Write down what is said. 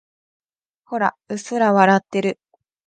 ほら、うっすら笑ってる。